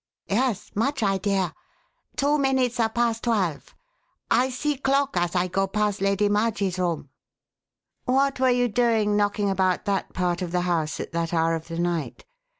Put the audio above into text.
"Yes much idea. Two minutes a past twelve. I see clock as I go past Lady Marj'ie's room." "What were you doing knocking about that part of the house at that hour of the night?